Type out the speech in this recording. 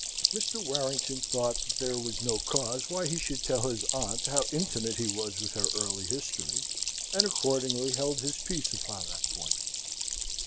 Mr. Warrington thought that there was no cause why he should tell his aunt how intimate he was with her early history, and accordingly held his peace upon that point.